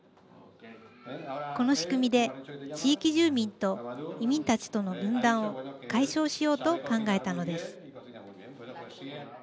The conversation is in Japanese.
この仕組みで地域住民と移民たちとの分断を解消しようと考えたのです。